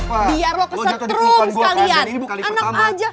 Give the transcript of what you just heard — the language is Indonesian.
faktanya apa lo nyata dipelukan gue kaya gini bukan kali pertama